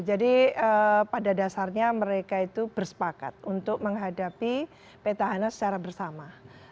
jadi pada dasarnya mereka itu bersepakat untuk menghadapi peta anas secara bersama